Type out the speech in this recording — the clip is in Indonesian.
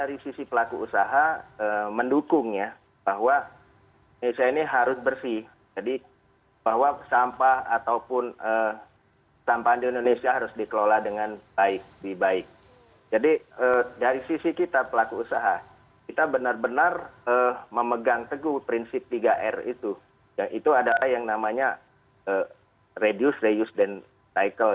itu adalah yang namanya reduce reuse and cycle